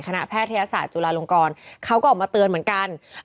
แพทยศาสตร์จุฬาลงกรเขาก็ออกมาเตือนเหมือนกัน